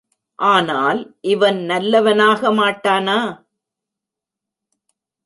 ஆனால், இவன் நல்லவனாக மாட்டானா?